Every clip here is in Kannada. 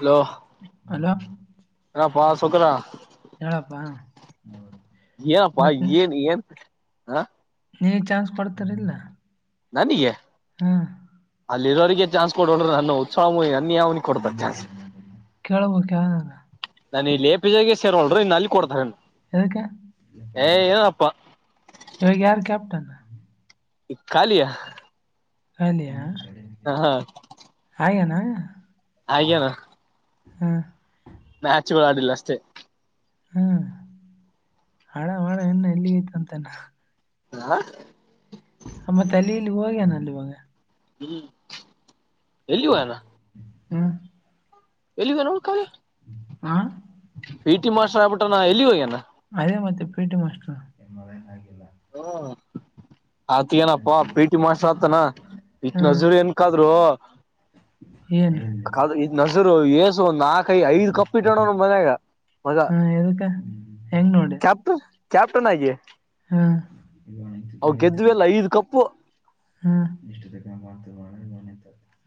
ಹಲೋ ಹಲೋ [unintelligible] ಹೇಳಪ್ಪಾ ಏನ್ಪ್ಪಾ ಏನ್ ಏನ್ ಹಾ ನಿನಗ ಚಾನ್ಸ್ ಕೊಡ್ತಾರಿಲ್ಲ ನನಗೆ ಹಾ [unintelligible] ಇನ್ನ ಯಾವನಿಗೆ ಕೊಡ್ತರ ಚಾನ್ಸ್ ಕೇಳ್ಬೇಕಕ್ ಯಾವ್ದಾಗ ನಾನ ಇಲ್ಲಿ ಹೋಲ್ಡರ್ ಇನ್ನು ಅಲ್ಲಿ ಕೊಡ್ತಾರೆನ್ ಅದಕ್ಕೆ ಏ ಏನಪ್ಪಾ ಇವಾಗ ಯಾರು ಕ್ಯಾಪ್ಟನ್ ಖಾಲಿಯ ಖಾಲಿಯಾ ಹಾ ಹಾ ಆಗ್ಯಾನ ಆಗ್ಯಾನ ಹೂ ಮ್ಯಾಚ್ಗಳು ಆಡಿಲ್ಲ ಅಷ್ಟೇ ಹಾ ಆಡ್ ಆಡ್ ಇಣ್ಣ ಎಲ್ಲಿಗ ಐತಿ ಅಂತ ನ ಹಾ ಆ ಮತ್ತು ಅಲ್ಲಿ ಇಲಿ ಹೋಗ್ಯಾನ ಅಲ್ಲಿ ಇವಾಗ ಹೂ ಎಲ್ಲಿಗ ಹೋಗ್ಯನ ಹ ಎಲ್ಲಿಗೋ ನೋಡ್ಕ್ರಿ ಆ [inaudible] ಟಿ ಮಾಸ್ರ್ ಆಗ್ಬಿಟ್ಟೆ ನ ಎಲ್ಲಿ ಹೋಗೇಾ ಅದೇ ಮತ್ತೆ ಪೀಟಿ ಮಾಸ್ರ್ ಹ್ಮ [inaudible] ಆತ್ ಏನಪ್ಪ ಪಿಟಿ ಮಾಸ್ಟರ್ ಆತಾನ ಇತ್ ಹ್ಮ್ ನಜೂರು ನ್ಕಾದ್ರು ಏನು ಯಸು ನಾಕ [inaudible] ಕೈ ಐದು ಕಪ್ಪ ಇಟ್ಟೊಂಡ ಮನೆಗ ಮಜ ಹಾ ಎದಕ್ಕ ಹೆಂಗ್ ನೋಡಿ ಕ್ಯಾಪ್ ಕ್ಯಾಪ್ಟನ್ ಆಗಿ ಹ್ಮ್ ಅವ ಗೆದುವಲ್ಲ ಐದ ಕಪ್ಪು ಹಾ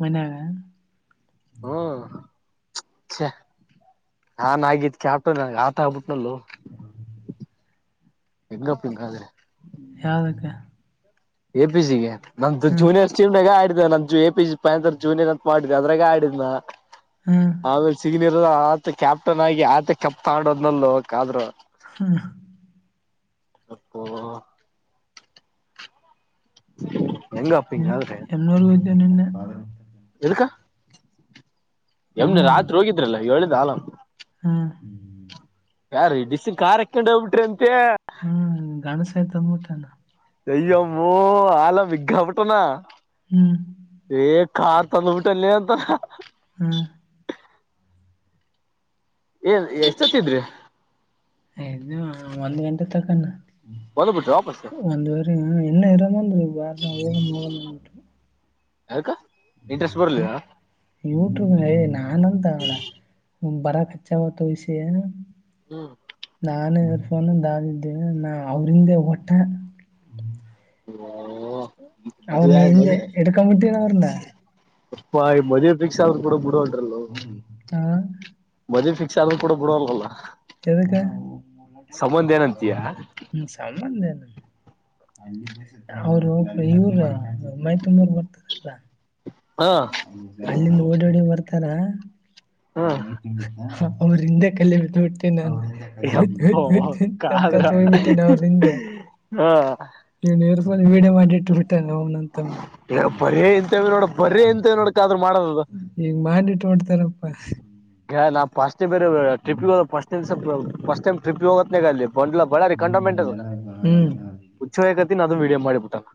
ಮನ್ಯಾಗ ಹ್ಮ ನಾನ್ ಆಗತ್ ಕ್ಯಾಪ್ಟನ್ ಆಟ ಅಡಿಬಿಟ್ ಹಲ್ಲೋ [unintelligible] ಹೆಂಗಪ್ಪಂಗಾದ್ರೆ ಯಾವ್ದಕ್ಕೆ ಎ ಪ ಸಿಗೆ ನಮ್ದು ಜೂನಿಯರ್ ಸ್ಟೀಂಡಗ ಆ ನ ಎ ಪಿ ಜ ಪಂತ್ ಜೂನಿಯರ್ ಅಂತ ಮಾಡಿದ ಅದ್ರಾಗ ಆಡಿದ್ ನ ಹ್ಮ್ ಆಮೇಲೆ ಸಿನಿಯರ್ ಆತ ಕ್ಯಾಪ್ಟನ್ ಆಗಿ ಆತ ಕಪ್ತಾ ಆಡೋದ್ನಲ್ಲಿ ಹಕ್ ಆದ್ರು ಹಾ ಅಪ್ಪ [inaudible] ಹ [inaudible] ನಿನ್ ಹೆಣನೂರ್ಗೂ ಹಯತವೆ ನಿನ್ನೆ ಎಮ್ನೆ ಎಮ್ನೂರು ರಾತ್ರಿ ಹೋಗಿದ್ರಲ್ಲ ಏಳ್ದ ಆಲ ಹಾ [inaudible] ಯಾರೀಡಿಸಿಸಿನ್ ಕಖಾರ್ ಹಕೊಂಡ ಹೋಗ್ಬ ಬಿಟ್ರಿ ಅಂತೆ ಹ್ಮ್ ಗಣಸ ಆಯ್ತ ಅಂದ್ಬಟ್ಟಾನ ತಯ್ಯಮ್ಮೋ ಆಲ ಮಗ ಮಟಣ ಹ್ಮ್ ಏ ಕಾರ್ ತಂದಬಿಟ್ಟಲ್ಲ ಅಂತಾರ ಹ್ಮ ಏ ಎಷ್ಟೊತ್ತಿದ್ರಿ ದು ಒಂದ್ ಗಂಟೆ ತಕಣ ಬಂದ್ ಬಿಟ್ರಿ ವಾಪಸ್ ಅಂದವರೆ ಎಲ್ಲ ಇರಾಮಂದ ಬಾರ ಊೋಗ ೋಗಂದ ಹಕ [inaudible] [unintelligible] ಯಟ್ಯೂಬ್ ನಾನಂತ ಅವಳ ಬರಖಚ್ಚಾವ ತೋಯಿಸಿ ನಾನು ದಾದಿದ್ದೇವೆ ನಾ ಅವ್ರಂದೆ ಒಟ್ಟೆ ಹ್ಮ ಅವರು ಇ ಎಡಕ ಮಟನ ಅವರನ್ನ ಈ ಮದೆ ಫಿಕ್ಕ್ಷ ಆದ್ರರು ಕೂಡ ಬಿುಡಟ್ರ ಹ ಮದ್ವೆ ಫಿಕ್ಸ್ ಅದು ಕೂಡ ಬಡೋಲ್ಲ [inaudible] ಎಕ್ಕೆ ಹ್ಮ ಏನಂತೀಯ ಸಂಬಧ ಅವರು ಹ ಇವರ [inaudible] ಮೈ ತುಂಬರ್ ಬರ್ತಾರಲ್ಲ ಹಾ ಅಲ್ಲಿಂದ ಓಡೋಡಿ ಬರ್ತಾರ ಹಾ ಅವರಿಂದ ಕಲೆ ನೋಟೆ ನಾನು ಯಪ್ಪೋ ಕಾದ್ರ ಟ್ಟ ನವರರಿಂದ ಹಾ ಇ ಒಂದು ವೀಡಿಯೋ ಮಾಡಿಟ್ಟ ಬಿಟ್ಟಾನ ಅವನಂತ ಬರೇ ಅವನು ಇಂತವ ನೋಡ ಬರೇ ಇಂತವ ನೋಡಕಾದ್ರೂ ಮಾಡೋದದು ಈಗ ಮಾಡಿಟ್ಟು ಹೊಡ್ತಾರಪ್ಪ ಈಗ ನಾ ಫಸ್ಟ್ ಬೇರೆ ಟ್ರಿಪ್ಿಗೆ ಸ್ ಸ್ಟ್ ಟೈ್ ಟ್ರಿಪ್ಗೆ ಹೋಗತ್ತೇಗ ಅ ಬಂಡ್ಲ ಬಳಾರಿ ಕಂಡಮೆಂಟ್ ಹ್ಮ್ ಅದ ಹುಚ್ಚಕತಿನ ಅದನ್ ವೀಡಿಯೋ ಮಾಡಿಬಿಟ್ಟಲ್ಲ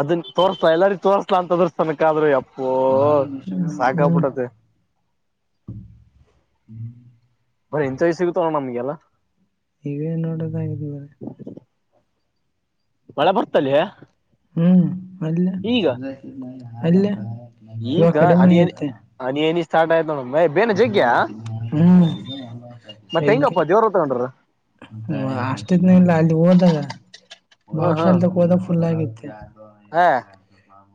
ಅದನ್ ತೋರ್ಸ್ಲಾ ಎಲ್ಲಾರಿ ತೋರ್ಲಾ ಅಂತದ್ರ ತನಕ ಆದ್ರೆ [unintelligible] [inaudible] ಬರ ಇಂಥ ವ್ ಸಿಗುತ್ತಾವಣ ನಮ್ಗೆಲ್ಲಾ [unintelligible] ಇವೋಡ ಕತಿವರ [unintelligible] ಮಳೆ ಬರ್ತಲ್ಲಿ [unintelligible] ಹ್ಮ್ ಅಲ್ಲ ಈಗ [unintelligible] ಅಲ್ಲ ಇವಾ ಈಗ ಕಡಿಮೆ ಹನಿ ಹನಿ ಆಗುತ್ತೆ [unintelligible] ಹನಿ ಹನಿ ಸ್ಟಾರ್ಟ್ ಆಯ್ತ್ ನೋಡ ಮೇ ಬೇನ [unintelligible] ಜಗ್ಯ ಹು ಮತ್ತೆ ಹೆಂಗಪ್ಪ ದೇವ್ರ ತಗೊಂಡ್ರ [unintelligible] ಹ ಅಷ್ಟ ಇದ್ನ ಇಲ್ಲ ಅಲ್ಲಿ ಹೋದಾಗ ಬಾಪ್ಸ ಅಲ್ದಕ್ [unintelligible] ಹೋದಾಗ ಫುಲ್ ಆಗಿತ್ತು ಹಾ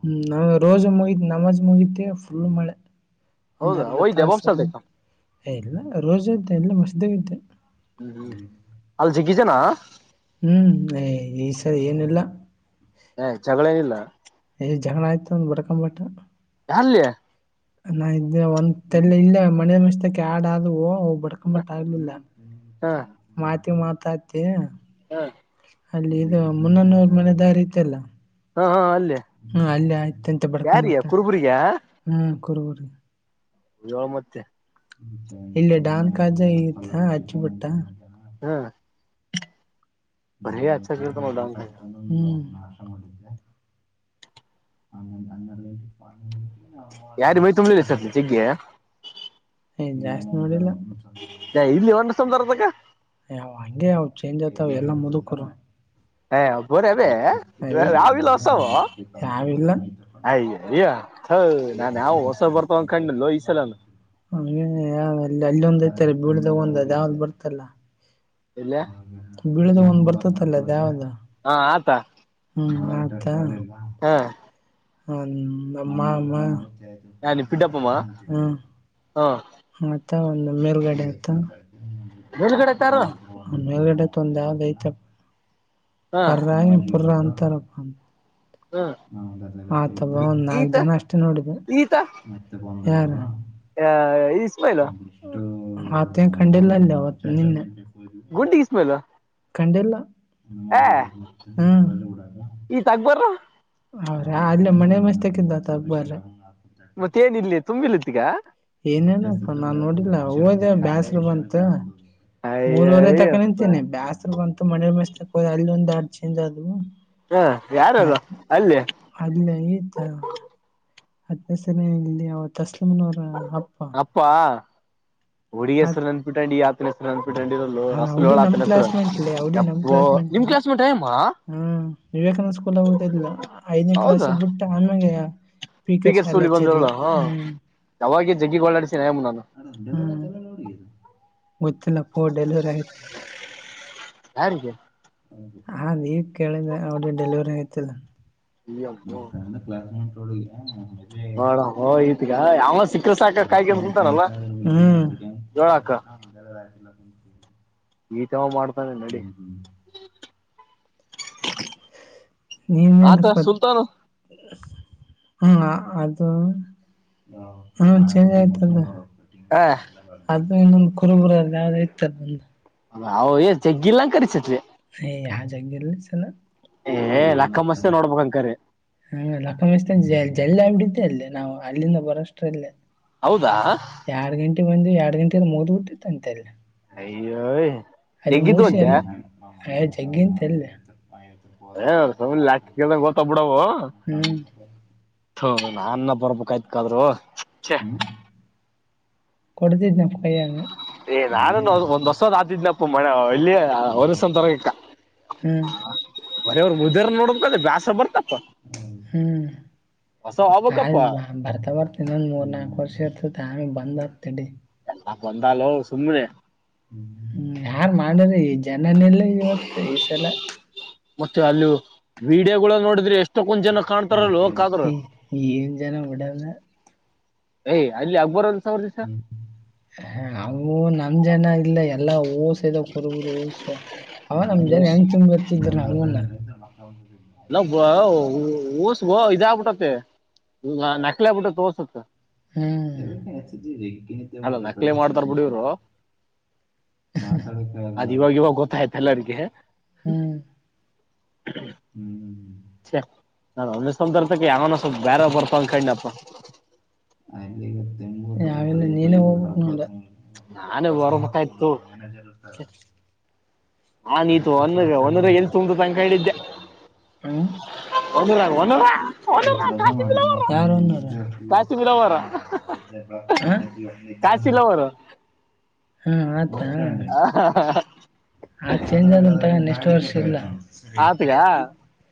ಹ್ಮ್ ನಾವ್ ರೋಜ ಮುಗಿದ ನಮಾಜ್ ಮುಗತಿ ಫುಲ್ ಮಳೆ ಒಂದ್ ಅರ್ಧತ್ತು ಜಾವಾಮ ಸರ್ ಇಲ್ಲ ರೋಜ ಅಂತ ಎಲ್ಲ ಮಸ್ದಂತೆ [unintelligible] ಹ್ಮ್ ಹೂ ಅಲ್ ಜಿಗಿಜನಾ ಹ್ಮ್ ಈ ಸರಿ ಏನಿಲ್ಲ [unintelligible] ಜಗಳೇಏನಿಲ್ಲ [unintelligible] ಜಗಳಾ ಆಯತ ಬರ್ಕೊಂಬಟ್ಟ [unintelligible] ಇ [unintelligible] ನಾ ಇದ ಒಂದಲೆ ಇಲ್ಲ ಮನೆ ಮಶ್ಕ್ಕೆ [unintelligible] ಆಡಾದವು ಒ [unintelligible] ಬಡ್ಕೊಂಬಟ್ಟ ಆಗ್ಲಿಲ್ಲ ಹ ಮಾತಿ ಮಾತಾತಿ [unintelligible] ಹಾ ಅಲ್ಲಿ ಇದು ಮುನ್ನನೂರ್ ಮನೆ ದಾರಿ ಇತ್ತಲ್ಲ ಹಾ ಹಾ ಅಲ್ಲೇ ಹ್ಮ್ ಅಲ್ಲಿ ಯಾರಿಯ ಕುರ್ಬು್ರಿಯ [unintelligible] ಹ್ಮ ಕುರ್ಬುರಿ [unintelligible] ಮತ್ತೆ ಇಲ್ಲ ಡಾನ್ ಕಾಜಾ ಇತ್ತ ಹಚ್ಚಿ ಬಿಿಟ್ಟ ಹ್ಮ [unintelligible] ನೋಡ ಹು [unintelligible] ಯಾರಿ ಮೈ ತುಂಬ್ಲಿಲ್ಲ ಸರ್ ಜಗ್ಗಿ [unintelligible] ಏ ಜಾಸ್ತಿ ನೋಡಿಲಾ ಇಲ್ಲಿ ಒಂದು ಸಂದಾರದಕ್ಕ [unintelligible] ಯಾವ್ ಹಂಗೆ ಯಾವ್ ಚೇಂಜ್ ಆಯತಾವ್ ಎಲ್ಲಾ ಮುದುಕರು ಹ ಒಬ್ಬರ ಅದೇ ರಾವಿಲ್ಲ ಹೊಸಾವ [unintelligible] [unintelligible] [inaudible] [unintelligible] ಈ ಸಲನು ಅ ಎ ಎಲ್ಲಂದು ಬರ್ತ ಬಿಡ್ದಾಗ ಒಂದು ಅ ಯಾವ್ದ್ ಬರ್ತಲ್ಲ ಇಲ್ಲ [unintelligible] ಬಳದ ಒಂದ್ ಬರ್ತತ್ತಲ್ಲ ಯಾವ್ದ ಹಾ ಆತ ಹ್ಮ್ ಆತ [unintelligible] ಹಾ ಹ ಅಮ್ಮ ಅಮ್ಮ ನಾನ ಪಿಡ್ಡಪ್ಪಮ್ಮ ಹ್ಮ ಹಾ ಮತ್ತ ಒಂದು ಮೇಲ್ಗಡೆ ಆತ್ತ ಮೇಲ್ಗಡೆ ತಾರು [unintelligible] ಮೇಲ್ಗಡೆ [unintelligible] ತಂದತಪ್ಪ ಹಾ ಪರ್ರ ಪುರ್ರ ಅಂತಾರಪ್ಪ ಅ [unintelligible] ಹಾ ಆತಬ ಒಂದ್ ನಾಲ್ ಈತ ಜನ ಅಷ್ಟೇ ನೋಡಿದ [unintelligible] ಯಾರ ಹ ಈ [unintelligible] ಆತ ಕಂಡಿಲ್ಲ ಅಲ್ಲಿ ಅವತ್ತು ನಿನ್ನೆ ಗುಂಡಿಿಗೆಸ್ [unintelligible] ಕಂಡಲ್ಲ [unintelligible] ಹು ಈತ ಅಕ್ಬರ್ ಹೌ್ರ ಅಲ್ಲೇ ಮನೆ ಮಸ್ತಕ್ಕಿಂತತ [unintelligible] ಹಬ್ಬರ [unintelligible] ಮತ್ತೆ ಏನ ಇಿಲ್ಲ ತುಂಬಿಿಲ್ಲತ್ತ ಈಗ [unintelligible] ಏನೇನ [unintelligible] ಸ ನಾನ್ ನೋಡಿಲ್ಲ ಹಓದ ಬ್ಯಾಸರು ಅಯ್ಯಯ್ಯಪ್ಪ ಬಂತ ಮೂರೂವರೆ ತಕ ನಿಂತನನೆ ಬ್ಯಾಸರು ಬಂತ [unintelligible] ಮ ಮಸ್ತ್ ತೋ ಅಲ್ಲಿ ಒಂದ್ ಆಡ್ ಚೇಜ್ ಆದವು ಹ ಆ ಯಾರದು ಅಲ್ಲಿ ಅಲ್ಲ ಈತಾ [inaudible] ಹದ್ನೇ ಸರಿಯ ಇಲ್ಲಿ ಅವ ತಸ್ಲಮನವರ ಅಪ್ಪ [inaudible] ಹುಗಸರು ನನ್ಪಿುಂಡಿ ಯ [inaudible] ಹೆ ಅಂದ್ಬಿಟ್ಟಂಡಿರಲು ಅವನ್ ರಸಲು ಅವಡಿ ಹೋಳ ನಮ್ ತನ್ನ ಹೆಸರ ಕ್ಲಾಸ್ ಮೇಟ್ ಲೇ ಅಪ್ಪೋ ನಿಮ್ ಕ್ಲಾಸ್ ಮಟೈಮಾ [inaudible] ಹಾ ವಿವೇಕಾನಂದ ಸ್ಕೂಲ್ ಆಗುದಿಲ್ಲ ಐದನೇ ಕ್ಲಾಸ್ಗೆ ಬಿಟ್ಟ ಆಮ್ಯಾಗ [inaudible] ಸ್ಪೀಕರ್ ಪಗರ್ ಶಾಲೆ ಸಳ್ಳಿ ಹಚ್ಚಿದ್ಲ ಬಂದರಲ್ಲ ಹಾ ಹ್ಮ್ ಯಾವಾಗ ಜಗ್ಗಿ ಓಳಾಡಿಸಿನಮ್ಮ ನಾನು ಗತ್ತಿನಪ್ಪ ಡೆಲಿವರಿ ಆಯತು ಯಾರಿಗೆ ಹಾ ನೀ ಕೇಳ ಅವ ಡೆಲಿವರಿ ಆ್ತಿದ ಅಯ್ಯಮ್ಮೋ [unintelligible] ತೊಳ ಹ ನೋಡ ಹೋ ಈತ್ಗ ಯಾವ ಸಿಕ್ಕರ್ [inaudible] ಸಾಕ ಆರಕ ಕಾಯ್ಕೊಂಡ್ ಮಾಹತಿ ಕುಂತಾನಲ್ಲ ಮತಾರೆ ಹೇಳಾಕ ಮಾತಾಡಿದ್ರ ಒಂದ ಎ ಈತವ್ ಮಾಡ್ [inaudible] ಹ್ಮ್ ಹ್ಮ್ [inaudible] ಆತ ನೀನ್ನಪ್ಪ ಸುಲ್ತಾನು [inaudible] ಹ್ಮ ಅದು ಹ ಚೇಂಜ್ ಆಯ್ತದು ಹ [inaudible] ಅದು ಇನ್ನೊಂದು ಕುರುಬುರ ಯಾವ್ದ ಇತ್ತ ಬಂದು ಹ ಏ ಜಗ್ಗಿಲ್ಲ್ಲಾ ಕಸಟ್ವೆ ಏ ಹಾಜಾಗ ಗ ಸಲ್ಲ ಏ ಲಕ್ಕ ಮಸ್ತೆ ನೋಡ್ಬೇಕಂಕರಿ ಹ ಲಕ್ಕ ಮತ ಜಲ್ಲ ಆ ಷ್ಟ ಅ ನಾವು ಅಲ್ಲಿಂದ ಬರೋಷ್ಟ್ರ ಅಲ್ಲೇ ಹೌದಾ ಯಾರ್ ಗಂಟೆ ಬಂದು ಯ ಗಂಟ ಮದ್ಬ ಬಿಟ್ಟಿತ್ತು ಅಂತೆ ಎಲ್ಲ ಹ [inaudible] ಅಲ್ಲಿ ಮುಸ ಅಲ್ಲ ಜಗ್ಗಿಂತಲ್ಲ [inaudible] ಏ ೋದರಲ ಸುಮ್ನೆ ಲೆಕ್ಕ ಕೇಳ್ದಂಗ [inaudible] ಹ ನ ಅನ್ನ ಬರ್ಬೇಕಾಯ್ ಕಾದ್ರು ಛೆ ಕೊಡತ ಕೈಗ ಏ ನಾನು ಒಂದ್ರ್ಸದ್ ಆದಿದ್ನಪ್ಪ ಮ ಇಲ್ಲಿಯ ಒಸರಗಕ್ಕ ಹ್ಮ್ ಬರೆಯವ್ರ ಮುದರ್ ನೋಡಬೇಕ ಬ್ಯಾಸ ಬರ್ತ ಹ್ಮ್ ಹೊಸ [inaudible] ಹೋಗ್ಬೇಕಪ್ಪ ಆ ಬರ್ತಾ ಬರ್ತ ಇನ್ನೊಂದ್ ಮೂರ್ ನಾಲ್ಕು ವರ್ಷ ಇರ್ತತಿ ಆಮೇ ಬಂದ ಆಾ ಬಂದಾಲೋ ಸುಮ್ಮನೆ ಹ್ಮ್ ಯಾರ್ ಮಾಡ್ರಿ ಈ ಜನನಲ್ಲ ಇವತ್ ಈ ಸಲ ಮತ್ತೆ ಅಲ್ಲಿ ವಿಡಿಯೋಗಳು ನೋಡಿದ್ರೆ ಎಷ್ಟು ಈಜನ ಅಡನ್ನ [inaudible] ಯ್ ಅಲ್ಲಿ ಅಕ್ಬರ [inaudible] ಹ್ಮ ಹ ಅೂ ನಮ ಜನ ಇಲ್ಲ ಎಲ್ಲಾ ಕೊರಗುರುಸ ಅವ ನಮ್ ಜನ್ ಓಸ್ ಹೆಂಗ್ ತುಂಬತ್ತಿದ್ರಂಗ ನಲ್ಲ ಊಸಬ ಇದಗ್ಬಿಟ್ಟತ್ತ ನಕ್ಲಿ ಆಗ್ಬಿಟ್ಟತ್ತ ೋಸತ್ [inaudible] ಹ ರಗ ನಿ ಅಲ್ಲ ಬತ ನಕ್ಲೆ ಮಾಡ್ತಾರ ಮನುಷನ ಬಿಡಿವ್ರು [inaudible] ಅ [inaudible] ಅದ್ ಇವಾಗ ಇವಾಗ ಗೊತ್ತಾಯ್ತ ಎಲ್ಲರಿಗೆ ಹ್ಮ್್ಮ [inaudible] ನಾನ ಒಂದ ಸಂದರ್ತಕ್ಕೆ ಯಾವನ ಸ್ವಲ್ಪ ಬೇರೆ ಬರ್ತಂದ ಕನಪ್ಪ [inaudible] ಗೊ ನೀನೇ ಹೋಗಬೇಕ [inaudible] ನಾನೇ ಕೆಲಸ ಮಾಡಕ ಬರ್ಬೇಕಾಯ್ತು ಅವ ಮ್ಯಾನೇಜರ್ ಇತಾರ ಛೆ, [inaudible] ಹಾ ನೀತು ಒಂದ ಒಂದ್ರ ಎಲ್ಲಿ ತುಂಬ್ದು ತನಕ ಹೇಳಿದ್ದೆ [inaudible] ಹ [inaudible] ಒಂದುರುವನು [inaudible] ಇವತ್ತು ರಜಾ ಮಾಡಿದ [inaudible] ಕಾಸಿನ ಲವರ್ ಕಶಿಲ ಅವರು [inaudible] ಹಾ ಆಯತಾ [inaudible] ಆ ಚೇಂಜ್ ಆದ ಉಂಟಗ ಎಷ್ಟು ವರ್ಷ ಇಲ್ಲ [inaudible] ಆತ್ಗ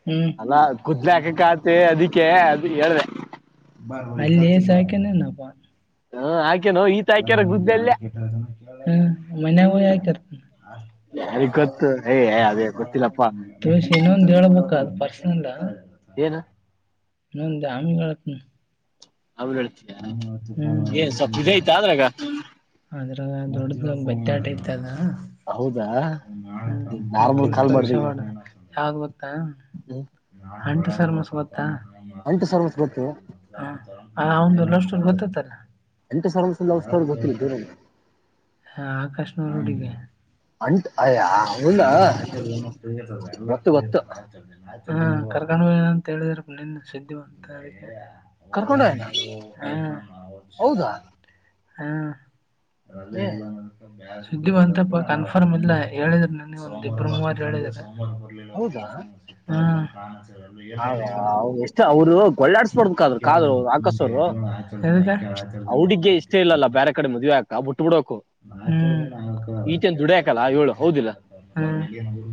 ಹ್ಮ್ ಅಲ್ಲಾ ಕುದ್ಲಿಕಕ್ಕತಿ ಅದಕ್ಕೆ ಅದು ಹೇಳ್ದ [inaudible] ಅಲ್ಲಿ ಏಸ ಹಕನೇನಪ್ಪ [inaudible] ಹ ಹಾಕೇನು ಈತ ಮ ಹಾಕ್ಯಾರ ಗುದ್ಲೆ ಅಲ್ಲೇ ಹ್ಮ್ ಆಯಕ [inaudible] ಯಾರಿಗ್ ಗೊತ್ತು ಏ ಅದೇ ಗೊತ್ತಿಲ್ಲಪ್ಪಾ ತುಸ ಇನ್ನೊಂದು ಹೇಳ್ಬೇಕ ಅದು ಪರ್ಸ್ನಲ್ [inaudible] ಏನು [inaudible] ನಂದ ಆಿ ಕತ [inaudible] ಆಮೇಲೆ ಹೇಳ್ತೀಯ ಏನ್ ಸ್ವಲ್ಪ ಇದೈತಾ ಅದ್ರಾಗ ಹದ್ರ [inaudible] ದೊಡ್ದ ಬೆತ್ತ ಆಟ ಇರ್ತದ ಹೌದಾ ನಾರ್ಮಲ್ [inaudible] ಕಾಲ್ ಕಳ [inaudible] ಮಾಡ್ದೆ ಈಗ ಯಾವಾಗ ಗತ್ತಾ ಹ್ಮ್ ಅಂಟು ಸರ್ ಮಸ್ ಗತ್ತಾ [inaudible] ಅಂಟು ಸರ್ಮಸ್ ಗೊತ್ತು ಹ ಅವಂದು ನಷ್ಟರ್ ಗೊತ್ತತ್ತಲ್ಲ [inaudible] ಎಂಟು ಸರಂ ಸುಲ ವಔಸ್ೋಡ್ ಗೊತ್ತಿಲ್ಲ ದೂರನ [inaudible] ಹ ಆಕಾಶ ನರು ಹಡಿಗೆ [inaudible] ಅಂಟ್ ಅಯ್ಯ ಏ ಹೌದಾ ಇಲ್ಲ ಆಚರದ ಫ್ರೀ ಇರ್ತದ ಎಲ್ಲ ಗೊತ್ತು ಫ್ರೀ ಗೊತ್ತು ಇರ್ತದೆ ಆಚ [inaudible] ಹಾ ಕರ್ಕೊಂಡ್ ಅಂತ ಹೇಳಿದ್ರ ನಿನ್ನ ಸಿದ್ಧಿಿವಂತ ಅ [inaudible] ಕರ್ಕೊಂಡ ದಾಶನ ಹೋಗ್ಯಾನ [inaudible] ಹೌದಾ ಹ್ಮ ಏ ಸುದ್ದಿ ಬಂತಪ್ಪ ಕನ್ಫರ್ಮ್ ಇಲ್ಲ ಹೇಳಿದ್ರ [inaudible] ಪ ಮಾತಡ ಹ [inaudible] ಹ ಎಷ್ಟು ಅವ್ರು ಕಾಡ್ [inaudible] ಡಾದ್ರರು ಕದು ಆಕಶ ಅವರು ಎದಕ್ಕೆ? ಹಡ್ಿಗೆ ಇಷ್ಟ ಇಲ್ಲಾ ಬೇರೆ ಹ್ಮ್. ಕಡೆ ಮದ್ೆ ಆಕಬಟ್ಟ [inaudible] ಬಿ ಬಿಡಕು ಹ್ಮ್. ಈಚನ್ ದುಡ ಹಾಕಲ್ಲ ಹೇಳು ಹೌದಿಲ್ಲಾ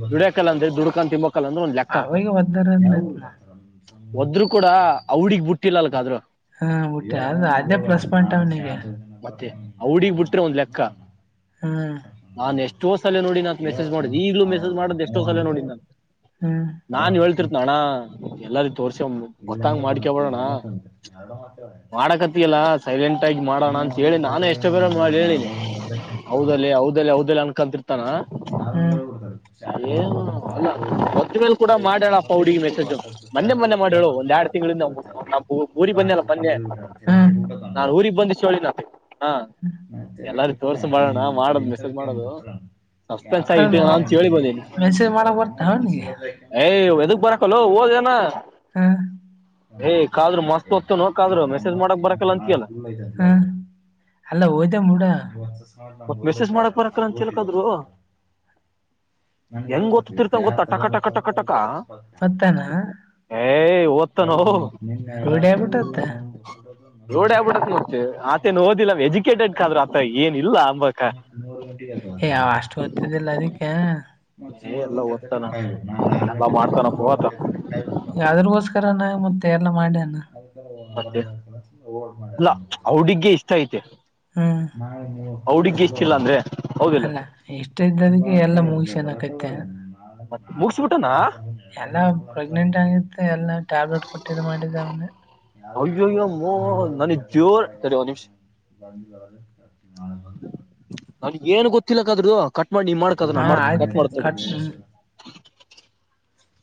[inaudible] ದುಡ್ಯಾಕಲ್ಲ ಅಂದ್ರೆ ದುಡ್ಕನ್ ತಿಂಬಕಲ್ಲ ಅಂದ್ರೆ ಒಂದ್ ಲೆಕ್ಕಪ್ಪ ಅವಾಗ ಒದ್ದಾರ ಯಾವ ಊರಿಗೆ ಹೋಗ್ತಾರ [inaudible] ಒದರು ಕೂಡ ಅವಡಗ್ ಬಿಟ್ಟಿಲ್ಲ ಅಲ್ಕಾದ್ರು [inaudible] ಹಾ ಊಟ್ಟೆ ಅ ಅದೇ ಪ್ಲಸ್ ಪಾಯಿಂಟ್ ಅವನಿಗೆ [inaudible] ಬತ್ ಮತ್ತೆ ನೀ ಆಜ ಅವಡಿಗ್ ದಿನ ಬಿಟ್ರೆ ಒಂದ್ ಬತ್ನ ಲೆಕ್ಕ [inaudible] ನಾನ್ ಎಷ್ಟೋ ಸಲನೋ [inaudible] ಂತ ಮೆಸೇಜ್ ಮಾಡುದು ಈಗ್ಲೂ ಮೆಸೇಜ್ ಮಾಡ್ ಎಷ್ಟೋ ಸಲ ನೋಡ ನಂತ ಹ್ಮ್ ನಾನ್ ಹೇಳ್ತಿರ್ [inaudible] ಎಲ್ಲಾರೂ ತೋರ್ಸ [inaudible] ಗೊತ್ತಂಗ ಮಾಡ್ಕಬಡೋಣ ಮಾಡಕತ್ತಿಯಲ್ಲ ಸೈಲೆಂಟ್ ಆಗಿ ಮಾಡೋಣ ಅಂತ [inaudible] ಹೇಳಿ ನಾನೇ ಎಷ್ಟು ಬೇರ ಮಾಡಿ ಹೇಳನಿ ಹೌದಲ್ಲಿ ಅವದಲ್ಲಿ ಅವ್ದಲ್ಲ ಅನ್ಕಂತಿರ್ತ [inaudible] ಏನು ಅಲ್ಲ ಮತ್ತ ಮೇಲ್ ಕೂಡ ಮಾಡ್ಯಾಪ್ಪ [inaudible] ಹೌಡ್ಿಗೆ ಮೆಸೇಜು ಮೊನ್ನೆ ಮೊೆ ಮಾಡ ಹೇಳಳು ಒಂದ್ ಎರಡ್ ತಿಂಗಳಿಂದ ನಾ ಪಊರಿ ಬನ್ನ ಅಲ್ಲ ಮೊನ್ನೆ [inaudible] ನಾನ್ ಊಗ್ ಬಂದ ಶಳಿನ [inaudible] ನಾ ಚೆಲ್ಲ ಕಟ್ಟಿದ್ದ ಏ ಮಾಡೋದ್ ಮೆಸೇಜ್ ಮಾಡೋದು ಎಂಂತವತರ ಸಸ್ಪೆನ್ಸ್ [inaudible] ಆಗಿ ಅದ ಇಟ್ಟಣ ಅಂತ ಹೇಳಿ ಬಂದೀನಿ ಮೆಸೇಜ್ ಮಾಡಕ್ ಬರ್ತ ಅವನಗೆ ಏಯ್ ಎದಕ್ ಬರಕಲ್ಲ ಓದೇನ [inaudible] ಹಾ [inaudible] ಏಯ್ ಕಾದ್ರು ಮಸ್ತ್ ಹೊತ್ತು ನೋ ಕಾದ್ರು ಒಮ್ಮ ಮೆಸೇಜ್ ಮಾಡಕ್ ಬರಕಲ್ಲ ಅಂತೀಯಲ್ಲ ನಾಳೆ ಅಲ್ಲ ಮುಡ ಮತ್ ಮೆಸೇಜ್ ಮಾಡಕ್ ಬರಕಲ್ಲ ಅಂತ ಹೇಳ್ಕಾದ್ರು ನ ಹೆಂಗ್ ಗೊತ್ತಿರ್ತಾವ ಗೊತ್ತಾ ಟಕ ಗತ್ತತ್ತುತ ಟಕ ಟಕ ಮ ಟಕ ಗತತ ಮತ್ತಾನ ಏಯ್ ಓದ್ತಾನೋ ರೂಢಿಯಬಿಟ್ಟತ್ತ ರೂಢಿ ಆಗ್ಬಿಟ್ಟತ್ ಮತ್ತೆ ಡ್ ನ ಕಾಣ ಆತೇನ್ ಓದಿಲ್ಲ ಎಜುಕೇಟೆಡ್ ಕಾದ್ರ ಆ ಏನಿಲ್ಲ ಅಂಬಕ ಯಾವ ಅಷ್ಟು ದತ್ತದಿಲ್ಲ ಅದಕ್ಕೆ ಮತ್ ಏ ಮೂರು ಎಲ್ಲ ಗಟ ತಕೊಂಡ ಓದ್ತಾನ ಕಾಯಬೇಕು ನಾ ಆರು ಎಲ್ಲ ಗಂಟೆ ತಕೊಂಡ ಮಾಡ್ತಾನಪ್ಪ ಏಳು ಆತ ಗಂಟೆ ತಕ ಕಾಯು ಮತ್ತೆ ಎಲ್ಲ ಮಾಡಣ ಮತ್ತೆ ಇಲ್ಲ ಅವಡಿಗೆ ಇಷ್ಟ ಐತೆ ಹ್ಮ ಅವಡಿಗೆ ಇಷ್ಟ ಇಲ್ಲ ಅಂದ್ರೆ ಹೌದಿಲ್ಲ ಅಲ್ಲ ಇಷ್ಟ ಈ ಎಲ್ಲಾ ಮೂವಿಸ್ ಏನ್ಕೈತೆ ಮತ್ ಮುಗಸ್ಬಿಟ್ಟನಾ ಎಲ್ಲ ಪ್ರೆಗ್ನೆಂಟ್ ಆಗಿತ್ತು ಎಲ್ಲ ಟ್ಯಾಬ್ಲೆಟ್ ಕೊಟ್ಟಿದ್ದ ಮಾಡಿದ್ದ ಅವನ್ನೇ ಅಯ್ಯೋ ಅಯ್ಯೋ ನಾನಿಗ್ ಜೋರ್, ತಡಿ ಒಂದ್ ನಿಮಷ [unintelligible] ನನ್ ಏನು ಗೊತ್ತಿಲ್ಲಕ್ಕಾದ್ರು ಕಟ್ ಮಾಡಿ ನೀ ಮಾಡ್ಕದು [unintelligible] ಕಟ್ ಮಾಡ್ ತಡಿ